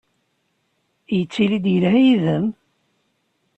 Yettili-d yelha yid-m?